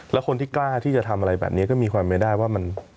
แล้วคนที่กล้าที่จะทำอะไรแบบนี้ก็มีความไม่ได้ว่ามัน